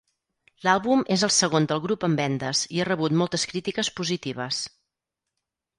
L'àlbum és el segon del grup en vendes i ha rebut moltes crítiques positives.